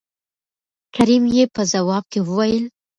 کريم يې په ځواب کې وويل